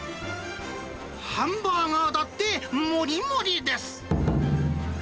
ハンバーガーだって、盛り盛りです。